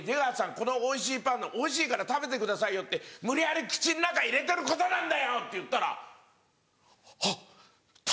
このおいしいパンおいしいから食べてくださいよ』って無理やり口ん中入れてることなんだよ！」って言ったら「はっ！た